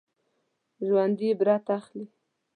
ژوندي عبرت اخلي